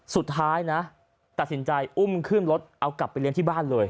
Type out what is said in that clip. สุดท้ายนะตัดสินใจอุ้มขึ้นรถเอากลับไปเลี้ยงที่บ้านเลย